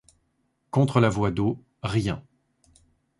Contre la voie d’eau, rien.